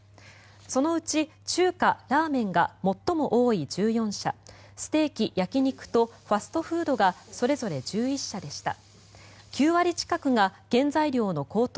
そのうち中華・ラーメンが最も多い１４社ステーキ・焼き肉とファストフードがそれぞれ１１社でした。